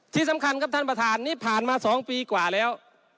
ที่สำคัญครับท่านประธานนี่ผ่านมา๒ปีกว่าแล้ว